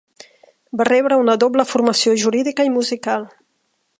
Va rebre una doble formació jurídica i musical.